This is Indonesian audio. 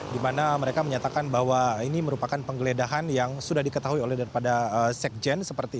dimana mereka menyatakan bahwa ini merupakan penggeledahan yang sudah diketahui oleh daripada sekjur